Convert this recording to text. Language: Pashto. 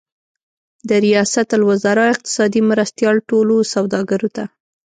د ریاست الوزار اقتصادي مرستیال ټولو سوداګرو ته